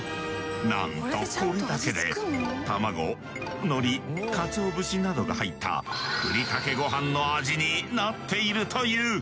なんとこれだけでたまご海苔かつお節などが入ったふりかけごはんの味になっているという！